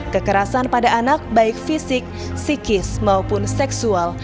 kekerasan pada anak baik fisik psikis maupun seksual